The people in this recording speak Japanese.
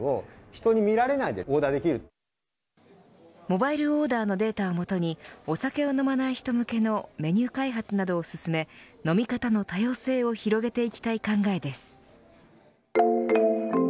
モバイルオーダーのデータをもとにお酒を飲まない人向けのメニュー開発などを進め飲み方の多様性を広げていきたい考えです。